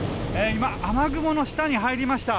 今、雨雲の下に入りました。